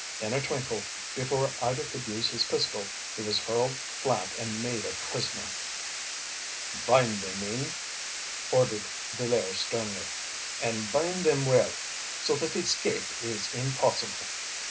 In a twinkle, before either could use his pistol, he was hurled flat and made a prisoner. "Bind them, men," ordered Villaire sternly. "And bind them well, so that escape is impossible."